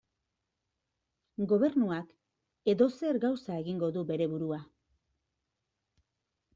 Gobernuak edozer gauza egingo du bere burua.